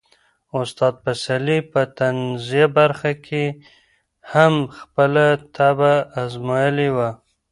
استاد پسرلي په طنزيه برخه کې هم خپله طبع ازمایلې وه.